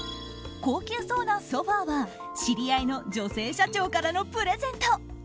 高級そうなソファは知り合いの女性社長からのプレゼント。